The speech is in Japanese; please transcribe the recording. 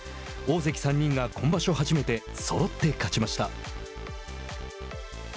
大関３人が今場所初めてそろって勝ちました。